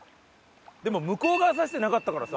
でも向こう側指してなかったからさ。